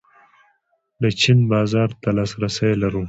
د چین بازار ته لاسرسی لرو؟